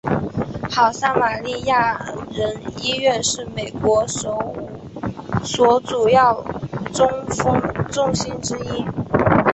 好撒玛利亚人医院是美国首五所主要中风中心之一。